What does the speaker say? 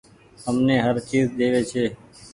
همني هر چئيز ۮيوي ڇي